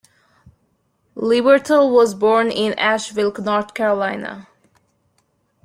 Lieberthal was born in Asheville, North Carolina.